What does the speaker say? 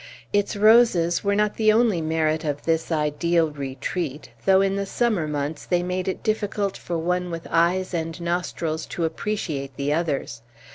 Its roses were not the only merit of this ideal retreat, though in the summer months they made it difficult for one with eyes and nostrils to appreciate the others.